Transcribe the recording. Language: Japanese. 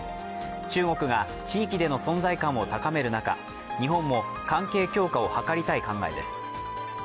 中国が地域での存在感を高める中、日本も関係強化を図りたい考えです。